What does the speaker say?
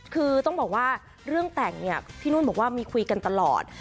คือต้องบอกว่าเรื่องแต่งเนี่ยพี่นุ่นบอกว่ามีคุยกันตลอด